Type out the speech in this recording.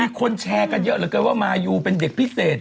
มีคนแชร์กันว่ามายูเป็นเด็กพิเศษ